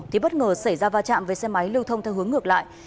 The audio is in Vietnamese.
thì bất ngờ xảy ra va chạm với xe máy lưu thông theo hướng ngược lại